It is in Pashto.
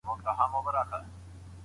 زده کړه د تل پاته ارادې نوم دی.